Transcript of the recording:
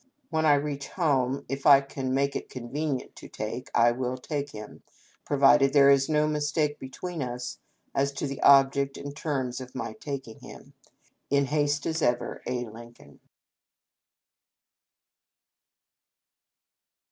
When I reach home, if I can make it con venient to take, I will take him, provided there is no mistake between us as to the object and terms of my taking him. " In haste, as ever, " A. Lincoln."